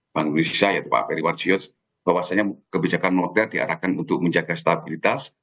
bank indonesia ya pak ferry warsius bahwasanya kebijakan moneter diarahkan untuk menjaga stabilitas